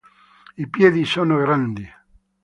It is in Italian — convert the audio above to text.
I piedi sono grandi.